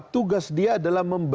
tugas dia adalah membenahi hukum